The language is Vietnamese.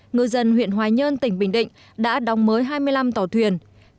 người dân huyện hoài nhơn tỉnh bình định đã đóng mới hai mươi năm con tôm thẻ post